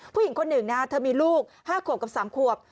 ผู้หญิงคนหนึ่งนะเธอมีลูก๕ขวบกับ๓ขวบ